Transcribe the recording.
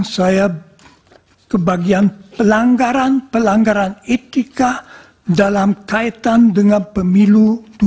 saya kebagian pelanggaran pelanggaran etika dalam kaitan dengan pemilu dua ribu dua puluh empat